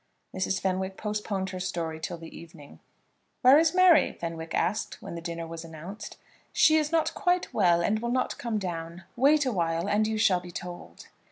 Mrs. Fenwick postponed her story till the evening. "Where is Mary?" Fenwick asked, when dinner was announced. "She is not quite well, and will not come down. Wait awhile, and you shall be told."